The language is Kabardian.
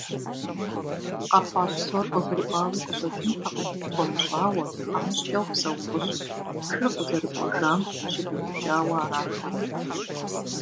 Къэхъуа псор къыгурыӏуауи къыщӏэкӏынтэкъым хуэмыщӏауэ, тхьэмыщкӏэу псэу лӏыжьым, шыр къызэрыкӏуэжам щыгуфӏыкӏауэ арат ар.